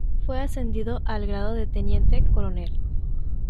Fue ascendido al grado de teniente coronel.